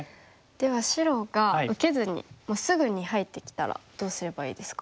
では白が受けずにすぐに入ってきたらどうすればいいですか？